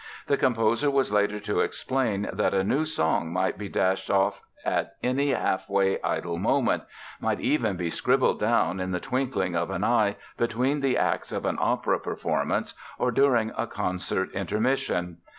The composer was later to explain that a new song might be dashed off at any half way idle moment—might even be scribbled down in the twinkling of an eye between the acts of an opera performance or during a concert intermission.